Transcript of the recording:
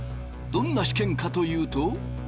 どんな試験かというと。